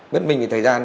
bất minh thời gian